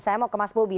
saya mau ke mas bobi